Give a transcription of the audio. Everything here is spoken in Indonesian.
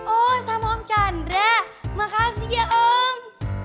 oh sama om chandra makasih ya om